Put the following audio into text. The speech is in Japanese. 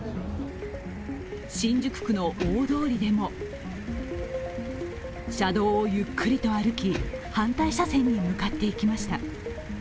新宿区の大通りでも車道をゆっくりと歩き反対車線に向かっていきました。